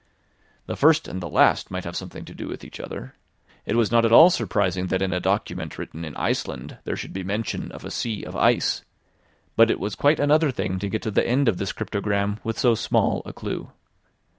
The first and the last might have something to do with each other; it was not at all surprising that in a document written in Iceland there should be mention of a sea of ice; but it was quite another thing to get to the end of this cryptogram with so small a clue.